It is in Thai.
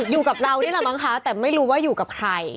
อยู่กับเรานี่แหละมั้งคะแต่ไม่รู้ว่าอยู่กับใคร